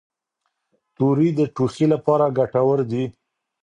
توري د ټوخي لپاره ګټور دي.